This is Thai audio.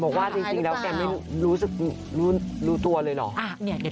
บอกว่าจริงแล้วแกไม่รู้ตัวเลยเหรอ